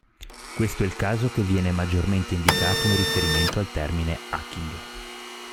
Questo è il caso che viene maggiormente indicato in riferimento al termine hacking.